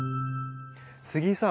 杉井さん